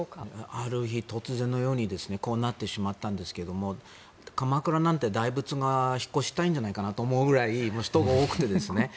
ある日、突然のようにこうなってしまったんですが鎌倉なんて大仏が引っ越ししたいんじゃないかなと思うぐらい人が多くてですね。